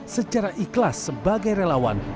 secara ikhlas sebagai relawan